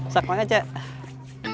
suka banget cuy